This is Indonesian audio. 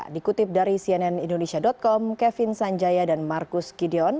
dikutip dari cnn indonesia com kevin sanjaya dan marcus gideon